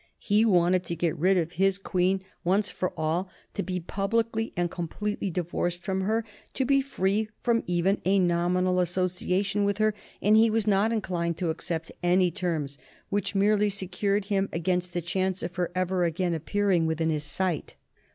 He wanted to get rid of his Queen once for all, to be publicly and completely divorced from her, to be free from even a nominal association with her; and he was not inclined to accept any terms which merely secured him against the chance of her ever again appearing within his sight.